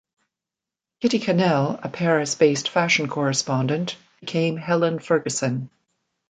Kitty Cannell, a Paris-based fashion correspondent, became Helen Ferguson.